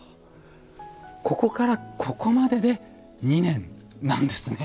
ここからここまでで２年なんですね。